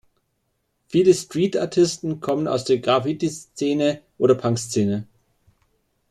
Viele Street-Artisten kommen aus der Graffitiszene oder Punkszene.